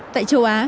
tại châu á